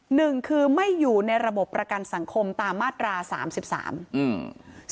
หนึ่งคือไม่อยู่ในระบบประกันสังคมตามมาตราสามสิบสามอืม